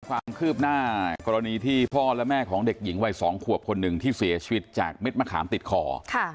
ความคืบหน้ากรณีที่พ่อและแม่ของเด็กหญิงวัย๒ขวบคนหนึ่งที่เสียชีวิตจากเม็ดมะขามติดคอ